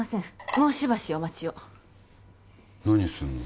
もうしばしお待ちを何すんの？